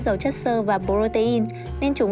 dầu chất sơ và protein nên chúng